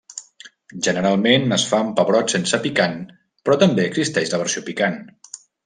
Generalment es fa amb pebrots sense picant però també existeix la versió picant.